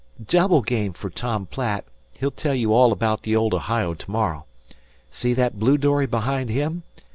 "Double game for Tom Platt. He'll tell you all about the old Ohio tomorrow. 'See that blue dory behind him?